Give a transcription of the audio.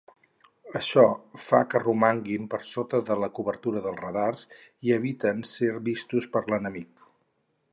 Això fa que romanguin per sota de la cobertura dels radars i eviten ser vistos per l'enemic.